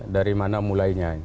dari mana mulainya